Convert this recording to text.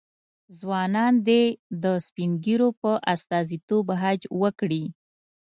ځوانان دې د سپین ږیرو په استازیتوب حج وکړي.